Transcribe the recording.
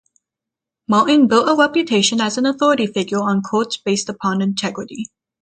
Martin built a reputation as an authority figure on cults based upon integrity.